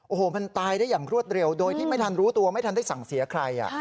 โอ้โหมันตายได้อย่างรวดเร็วโดยที่ไม่ทันรู้ตัวไม่ทันได้สั่งเสียใคร